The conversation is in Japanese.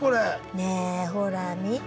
ねえほら見て。